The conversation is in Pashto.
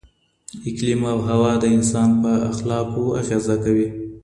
اقلیم او هوا د انسان په اخلاقو اغیزه کوي.